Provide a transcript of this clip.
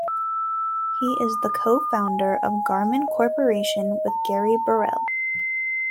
He is the co-founder of Garmin Corporation with Gary Burrell.